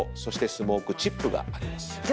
そしてスモークチップがあります。